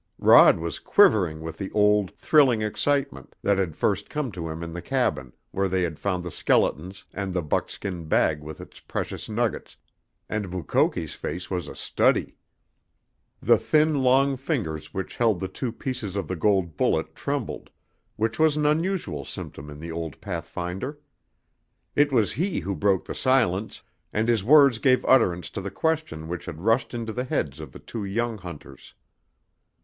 Rod was quivering with the old, thrilling excitement that had first come to him in the cabin where they had found the skeletons and the buckskin bag with its precious nuggets, and Mukoki's face was a study. The thin, long fingers which held the two pieces of the gold bullet trembled, which was an unusual symptom in the old pathfinder. It was he who broke the silence, and his words gave utterance to the question which had rushed into the heads of the two young hunters.